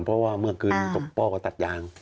เพราะว่าเมื่อคืนพ่อก็ตัดยาง